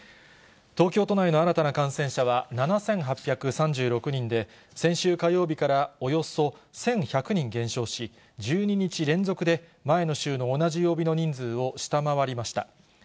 東京都内の新たな感染者は７８３６人で、先週火曜日からおよそ１１００人減少し、１２日連続で、前の週の同じ曜日の人数を下回りました。